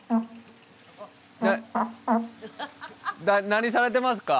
何されてますか？